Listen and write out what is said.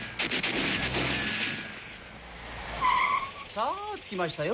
さぁ着きましたよ